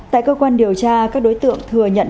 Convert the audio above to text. tại cơ quan điều tra các đối tượng thừa nhận